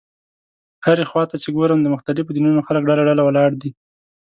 هرې خوا ته چې ګورم د مختلفو دینونو خلک ډله ډله ولاړ دي.